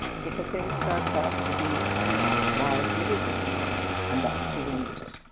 If a thing starts out to be a treat, why, it is a treat, and that s the end of it.